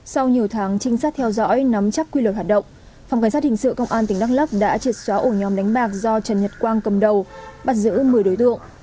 sau nhiều tháng trinh sát theo dõi nắm chắc quy luật hoạt động phòng cảnh sát hình sự công an tỉnh đắk lắk đã triệt xóa ổ nhóm đánh bạc do trần nhật quang cầm đầu bắt giữ một mươi đối tượng